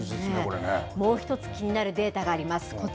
もう１つ気になるデータがあります。